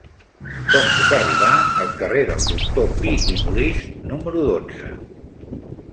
Com puc arribar al carrer del Doctor Pi i Molist número dotze?